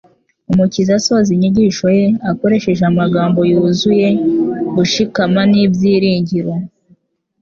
Umukiza asoza inyigisho ze akoresheje amagambo yuzuye gushikama n'ibyiringiro.